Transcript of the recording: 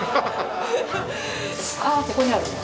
あここにある。